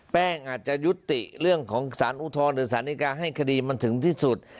แป้งอาจจะยุติเรื่องของสารอุทธรณ์หรือสารดีกาให้คดีมันถึงที่สุด